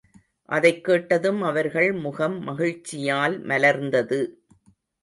அதைக் கேட்டதும் அவர்கள் முகம் மகிழ்ச்சியால் மலர்ந்தது.